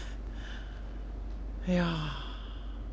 いや。